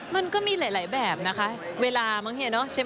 มันก็มีหลายแบบนะคะเวลามั้งเฮเนอะใช่ไหม